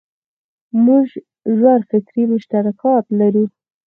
موږ ژور فکري مشترکات لرو.